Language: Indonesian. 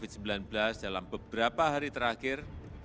kita ketahui pandemi covid sembilan belas dalam beberapa hari terakhir